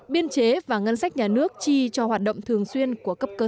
biên chế và ngân sách nhà nước chi cho hoạt động thường xuyên của cấp cơ sở